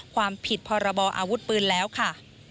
ความผิดพรบออาวุธปืนแล้วค่ะ